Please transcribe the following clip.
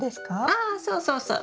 ああそうそうそう。